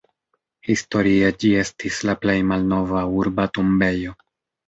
Historie ĝi estis la plej malnova urba tombejo.